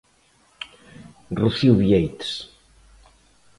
Rocío Vieites.